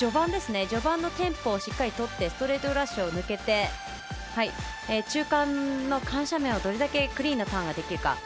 序盤のテンポをしっかりとってストレートフラッシュを抜けて中間の緩斜面をどれだけクリーンなターンができるか。